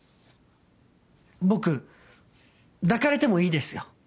僕抱かれてもいいですよ。